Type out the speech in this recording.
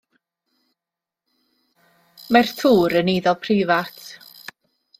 Mae'r tŵr yn eiddo preifat.